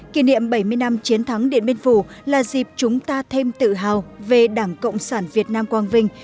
kỷ niệm bảy mươi năm chiến thắng điện biên phủ là dịp chúng ta thêm tự hào về đảng cộng sản việt nam quang vinh